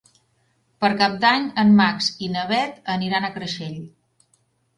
Per Cap d'Any en Max i na Bet aniran a Creixell.